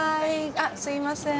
あっすいません。